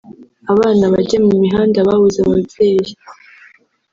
abana bajya mu mihanda babuze ababyeyi